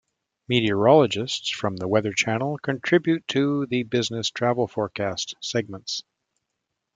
Meteorologists from The Weather Channel contribute to the "Business Travel Forecast" segments.